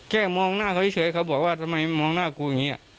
มองหน้าเขาเฉยเขาบอกว่าทำไมมองหน้ากูอย่างนี้